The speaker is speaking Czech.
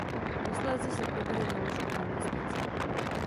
Posléze se probere na lůžku v nemocnici.